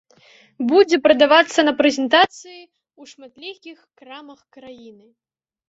Будзе прадавацца на прэзентацыі і ў шматлікіх крамах краіны.